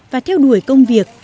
và theo đuổi công việc